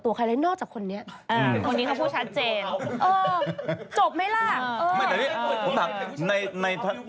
อย่างคุณม็อตดำเนี่ยเขาโดนล่าสุดเดียวเขาโดนด่า